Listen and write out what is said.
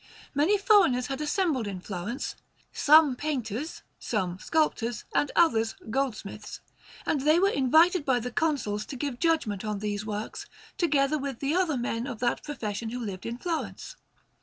Many foreigners had assembled in Florence, some painters, some sculptors, and others goldsmiths; and they were invited by the Consuls to give judgment on these works, together with the other men of that profession who lived in Florence.